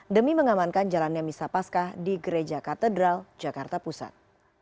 demi mengamankan jalannya misapaskah di gereja katedral jakarta pusat